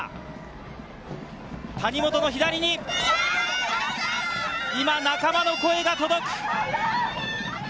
谷本の左に、さぁ、今、仲間の声が届く。